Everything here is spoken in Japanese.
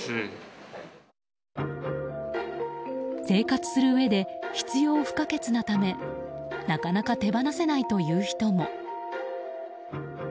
生活するうえで必要不可欠なためなかなか手放せないという人も。